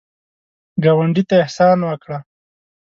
ګاونډي ته احسان وکړه